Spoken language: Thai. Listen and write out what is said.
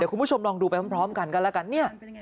เดี๋ยวคุณผู้ชมลองดูไปพร้อมกันกันแล้วกัน